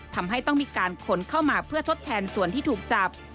ทำให้ต้องมีการขนเข้ามาเพื่อทดแทนส่วนที่ถูกจับ